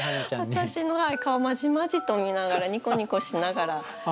私の顔まじまじと見ながらニコニコしながら。